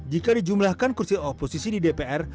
jika dijumlahkan kursi oposisi di dpr